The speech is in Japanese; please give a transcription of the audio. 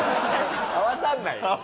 合わさんないよ。